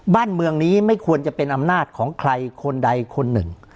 บ้านเมืองนี้ไม่ควรจะเป็นอำนาจของใครคนใดคนหนึ่ง